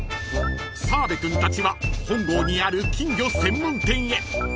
［澤部君たちは本郷にある金魚専門店へ］